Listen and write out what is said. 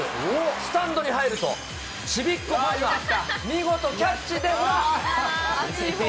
スタンドに入ると、ちびっ子ファンが見事キャッチでほら。